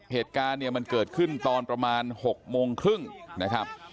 เหตุการณ์เนี่ยมันเกิดขึ้นตอนประมาณ๖โมงครึ่งนะครับ